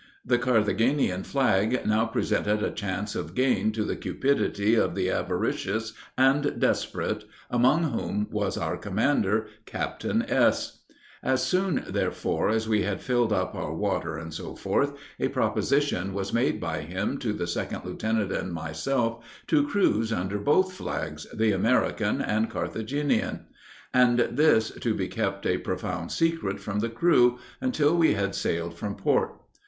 The Carthagenian flag now presented a chance of gain to the cupidity of the avaricious and desperate, among whom was our commander, Captain S. As soon, therefore, as we had filled up our water, &c., a proposition was made by him, to the second lieutenant and myself, to cruise under both flags, the American and Carthagenian, and this to be kept a profound secret from the crew, until we had sailed from port.